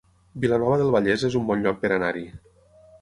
Vilanova del Vallès es un bon lloc per anar-hi